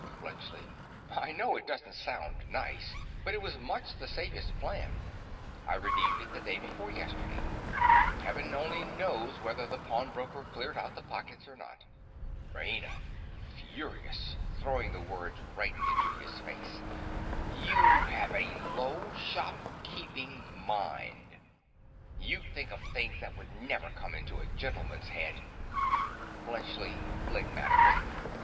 BLUNTSCHLI. I know it doesn't sound nice; but it was much the safest plan. I redeemed it the day before yesterday. Heaven only knows whether the pawnbroker cleared out the pockets or not. RAINA. (furious—throwing the words right into his face). You have a low, shopkeeping mind. You think of things that would never come into a gentleman's head. BLUNTSCHLI. (phlegmatically).